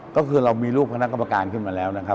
ก็คือเรามีรูปพนักกรรมการขึ้นมาแล้ว